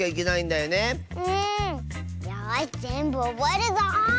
よしぜんぶおぼえるぞ！